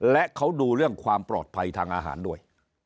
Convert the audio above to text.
และเขาดูเรื่องความปลอดภัยทางอาหารด้วย